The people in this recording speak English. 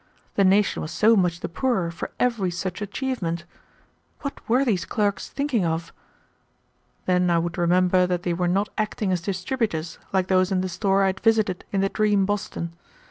The nation was so much the poorer for every such achievement. What were these clerks thinking of? Then I would remember that they were not acting as distributors like those in the store I had visited in the dream Boston.